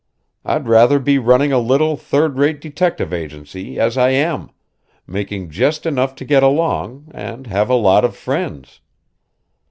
I'd rather be running a little, third rate detective agency as I am, making just enough to get along, and have a lot of friends.